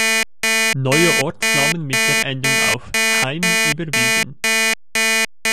Neue Ortsnamen mit der Endung auf -heim überwiegen.